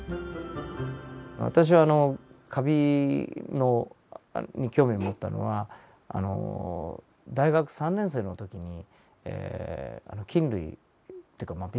私はカビに興味を持ったのは大学３年生の時に菌類というかまあ